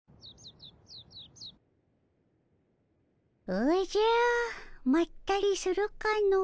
おじゃまったりするかの。